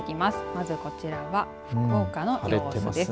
まず、こちらは福岡の様子です。